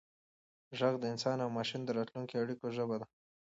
ږغ د انسان او ماشین د راتلونکو اړیکو ژبه ده.